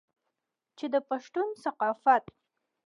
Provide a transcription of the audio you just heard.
چې د پښتون ثقافت